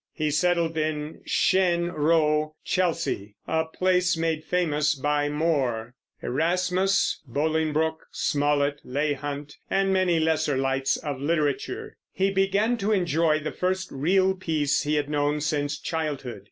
He settled in Cheyne Row, Chelsea, a place made famous by More, Erasmus, Bolingbroke, Smollett, Leigh Hunt, and many lesser lights of literature, and began to enjoy the first real peace he had known since childhood.